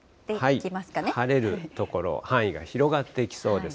晴れる所、範囲が広がってきそうです。